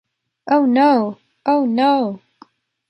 Oh no! Oh no!